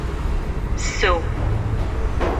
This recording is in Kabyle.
Ssew.